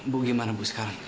bu gimana bu sekarang